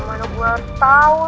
gimana gue tau